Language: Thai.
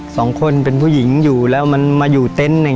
สองคนเป็นผู้หญิงอยู่แล้วมันมาอยู่เต็นต์หนึ่ง